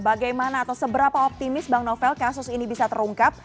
bagaimana atau seberapa optimis bang novel kasus ini bisa terungkap